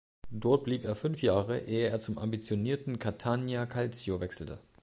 Dort blieb er fünf Jahre, ehe er zum ambitionierten Catania Calcio wechselte.